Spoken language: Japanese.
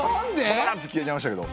バッと消えちゃいましたけど。